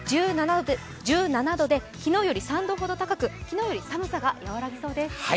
１７度で昨日より３度ほど高く、昨日より寒さが和らぎそうです。